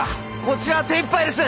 こちらは手いっぱいです。